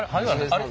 あれ？